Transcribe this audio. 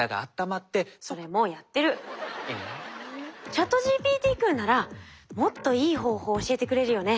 ＣｈａｔＧＰＴ君ならもっといい方法教えてくれるよね。